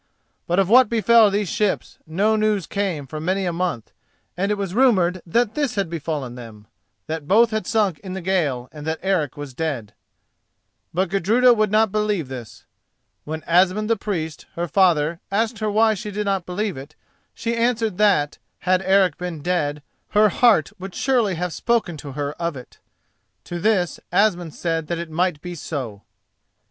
But of what befell these ships no news came for many a month, and it was rumoured that this had befallen them—that both had sunk in the gale, and that Eric was dead. But Gudruda would not believe this. When Asmund the Priest, her father, asked her why she did not believe it, she answered that, had Eric been dead, her heart would surely have spoken to her of it. To this Asmund said that it might be so.